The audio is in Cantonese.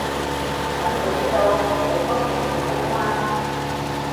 等佢知道係對方嘅問題吖嘛